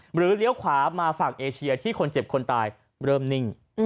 เลี้ยวขวามาฝั่งเอเชียที่คนเจ็บคนตายเริ่มนิ่ง